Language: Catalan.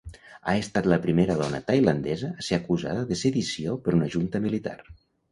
Ha estat la primera dona tailandesa a ser acusada de sedició per una junta militar.